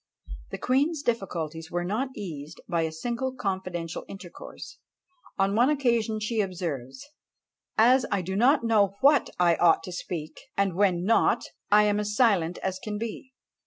The queen's difficulties were not eased by a single confidential intercourse. On one occasion she observes, "As I do not know what I ought to speak, and when not, I am as silent as can be."